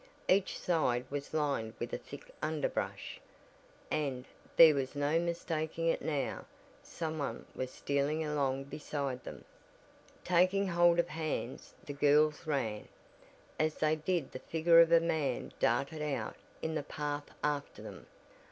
Each side was lined with a thick underbrush, and there was no mistaking it now someone was stealing along beside them! Taking hold of hands the girls ran. As they did the figure of a man darted out in the path after them.